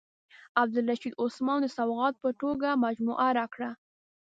عبدالرشید عثمان د سوغات په توګه مجموعه راکړه.